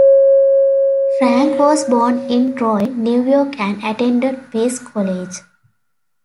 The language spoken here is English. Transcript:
Franke was born in Troy, New York and attended Pace College.